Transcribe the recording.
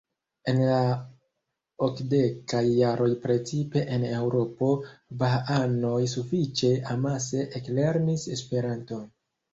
En la okdekaj jaroj precipe en Eŭropo bahaanoj sufiĉe amase eklernis Esperanton.